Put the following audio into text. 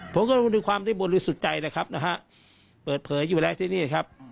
ผมก็ดูความบนบุรุษสุดใจนะครับเปิดเผยอยู่แล้วที่นี่นะครับ